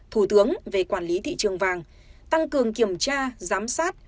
thủ tướng về quản lý thị trường vàng tăng cường kiểm tra giám sát